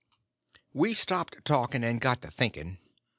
We stopped talking, and got to thinking.